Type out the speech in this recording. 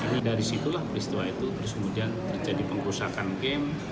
karena dari situlah peristiwa itu terus kemudian terjadi pengrusakan game